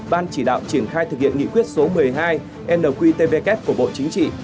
ban chỉ đạo triển khai thực hiện nghị quyết số một mươi hai nqtvk của bộ chính trị